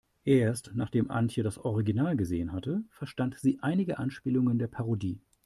Erst nachdem Antje das Original gesehen hatte, verstand sie einige Anspielungen der Parodie.